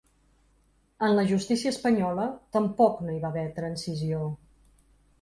En la justícia espanyola tampoc no hi va haver transició.